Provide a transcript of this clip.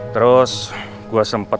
terima kasih pak